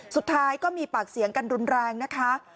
สุดท้ายก็มีปากเสียงกันรุนแรงนะคะ